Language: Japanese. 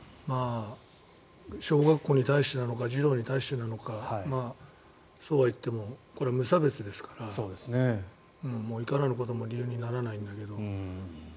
小学校に対してなのか児童に対してなのかそうはいってもこれは無差別ですからいかなることも理由にならないんだけど。